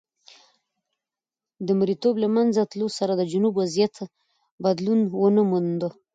د مریتوب له منځه تلو سره د جنوب وضعیت بدلون ونه موند.